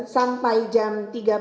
sampai jam tiga belas